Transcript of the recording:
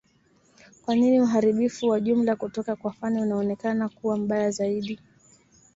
kwa nini uharibifu wa jumla kutoka kwa Fani unaonekana kuwa mbaya zaidi